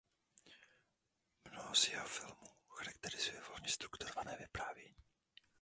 Mnoho z jeho filmů charakterizuje volně strukturované vyprávění.